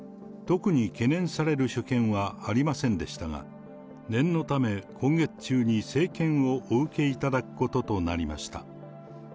特に懸念される所見はありませんでしたが、念のため、今月中に生検をお受けいただくこととなりました。